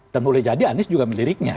dan boleh jadi anies juga meliriknya